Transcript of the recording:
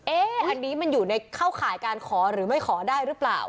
อันนี้มันอยู่ในเข้าข่ายการขอหรือไม่ขอได้หรือเปล่า